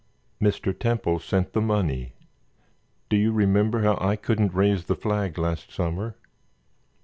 "Mr. Temple sent the money. Do you remember how I couldn't raise the flag last summer?"